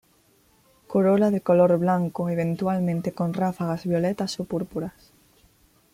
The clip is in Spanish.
Corola de color blanco, eventualmente con ráfagas violetas o púrpuras.